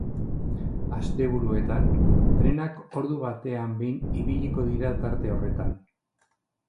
Asteburuetan, trenak ordu batean behin ibiliko dira tarte horretan.